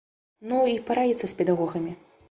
Ну, і параіцца з педагогамі.